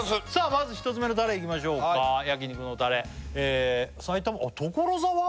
まず１つ目のタレいきましょうか焼肉のタレ埼玉あっ所沢？